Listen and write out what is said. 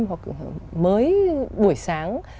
hoặc mới buổi sáng